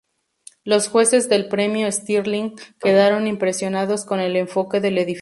Los jueces del premio Stirling quedaron impresionados con el enfoque del edificio.